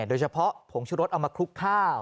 โดยเฉพาะผงชุรสเอามาคลุกข้าว